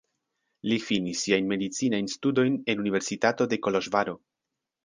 Li finis siajn medicinajn studojn en Universitato de Koloĵvaro.